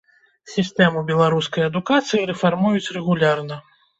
Сістэму беларускай адукацыі рэфармуюць рэгулярна.